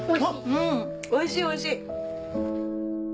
うんおいしいおいしい。